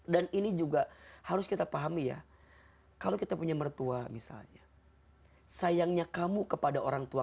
dan ini juga harus kita pahami ya kalau kita punya mertua misalnya sayangnya kamu kepada orangtua